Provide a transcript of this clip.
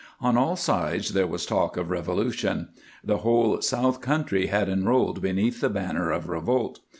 On all sides there was talk of revolution; the whole south country had enrolled beneath the banner of revolt.